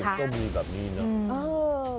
มันก็มีแบบนี้เนอะ